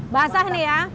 basah nih ya